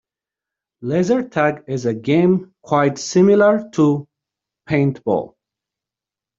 Laser tag is a game quite similar to paintball.